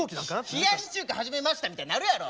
「冷やし中華始めました」みたいになるやろ！